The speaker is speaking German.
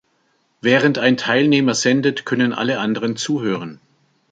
Während ein Teilnehmer sendet, können alle anderen zuhören.